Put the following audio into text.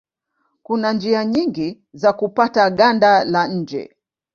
Kuna njia nyingi za kupata ganda la nje.